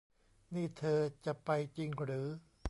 นี่เธอจะไปจริงหรือ